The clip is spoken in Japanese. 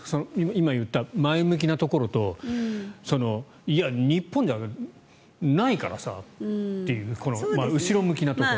今言った前向きなところといや、日本ではないからさという後ろ向きなところ。